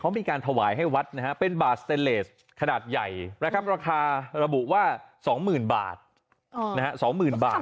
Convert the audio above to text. เขามีการถวายให้วัดนะฮะเป็นบาทสบายขนาดใหญ่นะคะราคาระบุว่าสองหมื่นบาทนะฮะสองหมื่นบาท